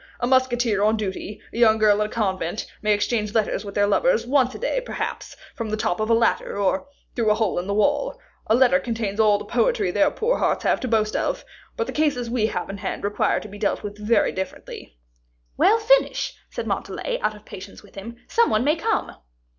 A musketeer on duty, a young girl in a convent, may exchange letters with their lovers once a day, perhaps, from the top of a ladder, or through a hole in the wall. A letter contains all the poetry their poor little hearts have to boast of. But the cases we have in hand require to be dealt with very differently." "Well, finish," said Montalais, out of patience with him. "Some one may come."